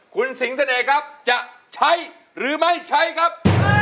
คุณสิงเสน่ห์ครับจะใช้หรือไม่ใช้ครับ